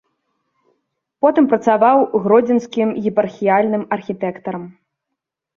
Потым працаваў гродзенскім епархіяльным архітэктарам.